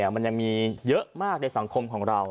มันยังมีเยอะมากในสังคมของเรา